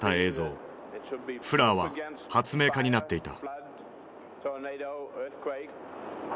フラーは発明家になっていた。